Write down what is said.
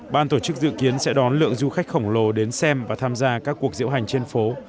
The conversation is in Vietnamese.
ban tổ chức dự kiến sẽ đón lượng du khách khổng lồ đến xem và tham gia các cuộc diễu hành trên phố